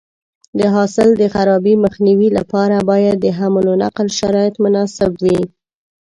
د حاصل د خرابي مخنیوي لپاره باید د حمل او نقل شرایط مناسب وي.